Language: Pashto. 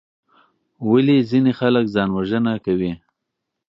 ولې ځینې خلک ځان وژنه کوي؟